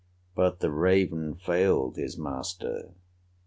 But the raven failed his master.